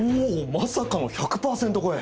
まさかの１００％超え！